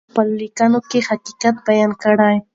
هغې په خپله لیکنه کې حقیقت بیان کړ.